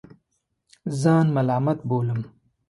ځان ملامت بولم.